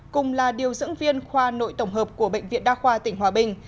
cùng là điều dưỡng viên khoa nội tổng hợp của bệnh viện đa khoa tỉnh hòa bình